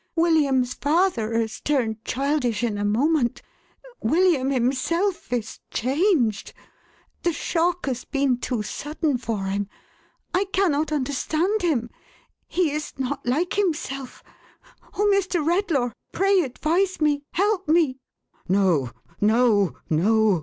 William's father has turned childish in a moment. William himself is changed. The shock has been too sudden for him ; I cannot understand him ; he is not like himself. Oh, Mr. Redlaw, pray advise me, help me !" "No! No! No!